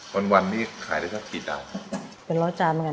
ก็คือยึดอาชีพนี้ขายมาตลอดเลย